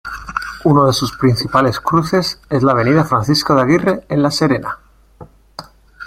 Uno de sus principales cruces es la Avenida Francisco de Aguirre en La Serena.